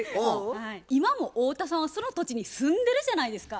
今も太田さんはその土地に住んでるじゃないですか。